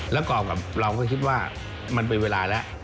แล้วกรอบกับเราก็คิดว่ามันเป็นเวลาแล้ว